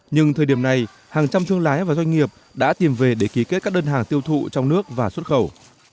nhưng thời điểm này hàng trăm chuô lái và doanh nghiệp đã tìm về để ký kết các đơn hàng tiêu thụ trong nước và xuất khẩu